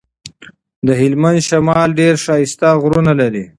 د هلمند شمال ډير ښايسته غرونه لري.